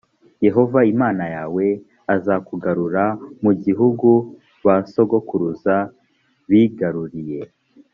yehova imana yawe azakugarura mu gihugu ba sokuruza bigaruriye